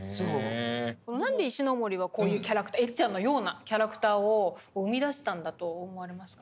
何で石森はこういうキャラクターエッちゃんのようなキャラクターを生み出したんだと思われますか？